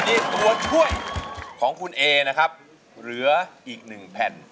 นี่ตัวช่วยของคุณเอนะครับเหลืออีกหนึ่งแผ่น